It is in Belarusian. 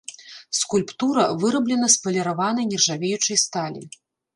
Скульптура выраблена з паліраванай нержавеючай сталі.